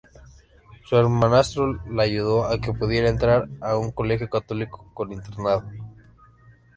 Su hermanastro la ayudó a que pudiera entrar a un colegio católico con internado.